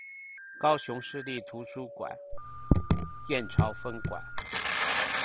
高雄市立圖書館燕巢分館